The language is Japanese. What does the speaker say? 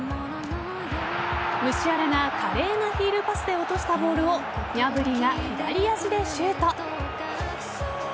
ムシアラが華麗なヒールパスで落としたボールをニャブリが左足でシュート。